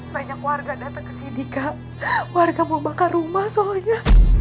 banyak warga datang ke sini kak warga membakar rumah soalnya